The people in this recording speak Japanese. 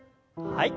はい。